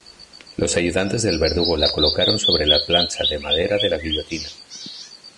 Los ayudantes del verdugo la colocaron sobre la plancha de madera de la guillotina.